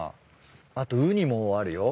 あとウニもあるよ。